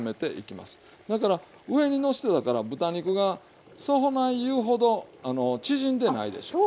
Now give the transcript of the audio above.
だから上にのしてたから豚肉がそない言うほど縮んでないでしょ。